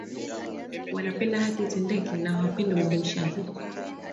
Wanapenda haki itendeke na hawapendi ubabaishaji